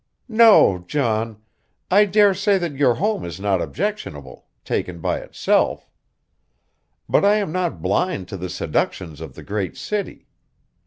"No, John; I dare say that your home is not objectionable, taken by itself. But I am not blind to the seductions of the great city.